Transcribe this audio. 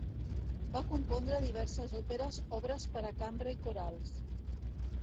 Va compondre diverses òperes, obres per a cambra i corals.